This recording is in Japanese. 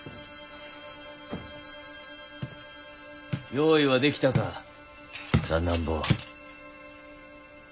用意はできたか三男坊。